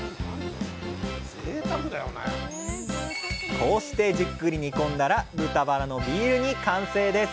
こうしてじっくり煮込んだら「豚バラのビール煮」完成です。